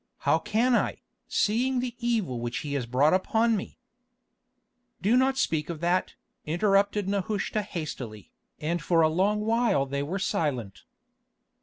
How can I, seeing the evil which he has brought upon me?" "Do not speak of that," interrupted Nehushta hastily, and for a long while they were silent.